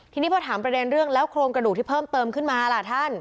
ทีนี้พอถามประเด็นเรื่องแล้วโครงกระดูกที่เพิ่มเติมขึ้นมาล่ะท่าน